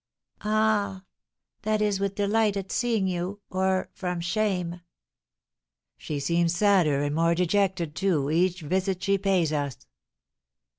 "Ah, that is with delight at seeing you, or from shame." "She seems sadder and more dejected, too, each visit she pays us."